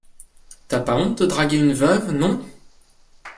T’as pas honte de draguer une veuve, non ?